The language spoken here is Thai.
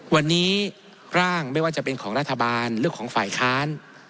วันนี้ร่างไม่ว่าจะเป็นของรัฐบาลหรือของฝ่ายค้าน